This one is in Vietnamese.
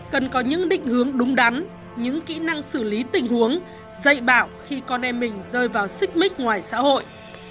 cần có những định hướng đúng đắn những kỹ năng xử lý tình huống dạy bảo khi con em mình rơi vào xích mích ngoài xã hội